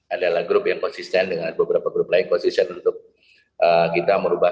adalah grup yang konsisten dengan beberapa grup lain konsisten untuk kita merubah